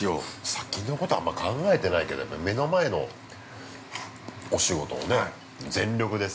◆先のことはあんまり考えてないけど目の前のお仕事をね、全力でさ。